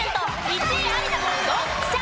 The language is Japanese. １位有田さんドンピシャ。